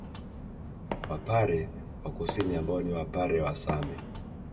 Wapare wa Kusini ambao ni Wapare wa Same